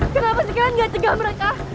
kenapa sih kalian gak cegah mereka